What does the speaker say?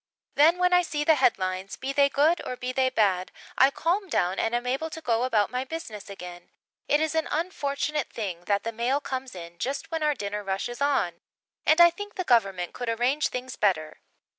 Then when I see the headlines, be they good or be they bad, I calm down and am able to go about my business again. It is an unfortunate thing that the mail comes in just when our dinner rush is on, and I think the Government could arrange things better.